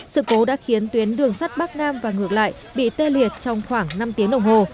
sự cố đã khiến tuyến đường sắt bắc nam và ngược lại bị tê liệt trong khoảng năm tiếng đồng hồ